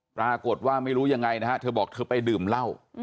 ปรากฏว่าไม่รู้ยังไงนะฮะเธอบอกเธอไปดื่มเหล้า